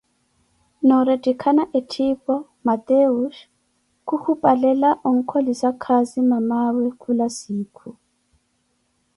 Noorettikhana etthiipo, Mateus khukhupalela onkholisa khaazi mamaa we khula siikhu.